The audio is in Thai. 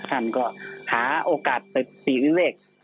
ท่านก็หาโอกาสไปศรีวิเวก